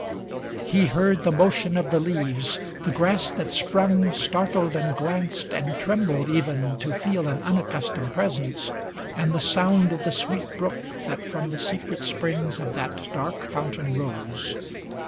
He heard 40 ALASTOR The motion of the leaves ŌĆö the grass that sprung Startled and glaneed and trembled even to feel An unaccustomed presence ŌĆö and the sound Of the sweet brook that from the secret springs Of that dark fountain rose.